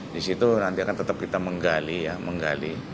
di situ nanti akan tetap kita menggali ya menggali